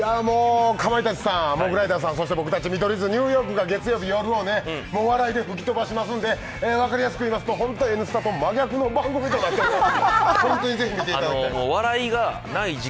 かまいたちさん、モグライダーさん、ニューヨークさん、そして私たち見取り図が月曜日夜をお笑いで吹き飛ばしますので、分かりやすくいいますと、ホント「Ｎスタ」と真逆の番組となっています。